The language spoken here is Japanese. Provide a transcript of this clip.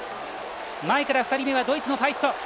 前から２人目はドイツのファイスト。